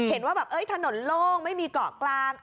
เห็นว่าแบบถนนโล่งไม่มีเกาะกลาง